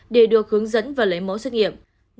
để được hướng dẫn và lấy mẫu xét nghiệm